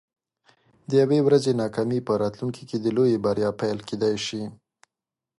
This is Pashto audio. د یوې ورځې ناکامي په راتلونکي کې د لویې بریا پیل کیدی شي.